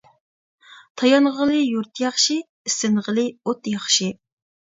تايانغىلى يۇرت ياخشى، ئىسسىنغىلى ئوت ياخشى.